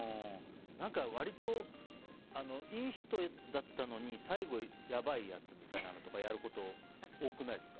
割と、いい人だったのに最後やばいやつみたいなのやることが多くないですか？